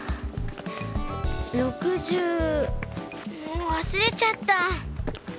６０もうわすれちゃった。